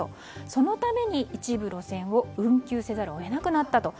そのために、一部路線を運休せざるを得なくなったと。